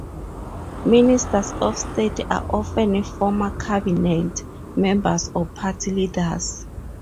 Ministers of state are often former cabinet members or party leaders.